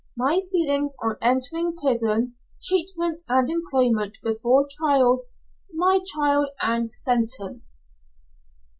MY FEELINGS ON FIRST ENTERING PRISON TREATMENT AND EMPLOYMENT BEFORE TRIAL MY TRIAL AND SENTENCE.